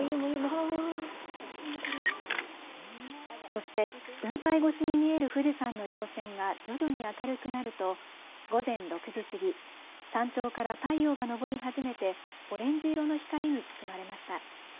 そして雲海越しに見える富士山のりょう線が徐々に明るくなると午前６時過ぎ山頂から太陽が昇り始めてオレンジ色の光に包まれました。